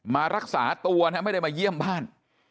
มารักษาตัวนะไม่ได้มาเยี่ยมบ้าน